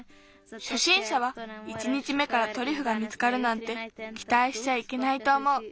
しょしんしゃは１日目からトリュフが見つかるなんてきたいしちゃいけないとおもう。